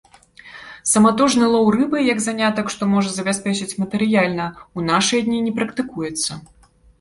Саматужны лоў рыбы як занятак, што можа забяспечыць матэрыяльна, у нашыя дні не практыкуецца.